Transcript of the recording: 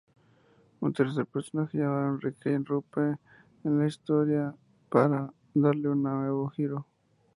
Un tercer personaje llamado Enrique irrumpe en la historia para darle una nuevo giro.